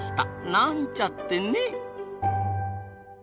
なんちゃってね。